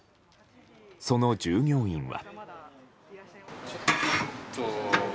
その従業員は。